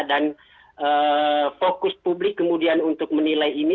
dan fokus publik kemudian untuk menilai ini